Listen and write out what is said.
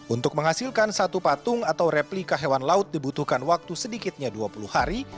untuk menghasilkan satu patung atau replika hewan laut dibutuhkan waktu sedikitnya dua puluh hari